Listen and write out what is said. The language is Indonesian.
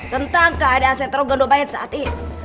tentang keadaan sentro gendut baik saat ini